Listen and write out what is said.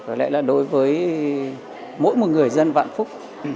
có lẽ là đối với mỗi một người dân vạn phúc